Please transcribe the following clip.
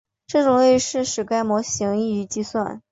这种近似使该模型易于计算。